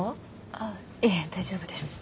あいえ大丈夫です。